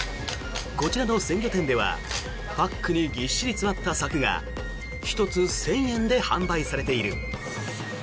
こちらの鮮魚店ではパックにぎっしり詰まった柵が１つ１０００円で販売されている。